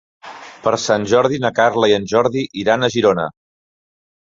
Per Sant Jordi na Carla i en Jordi iran a Girona.